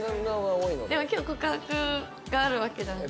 でも今日告白があるわけじゃん。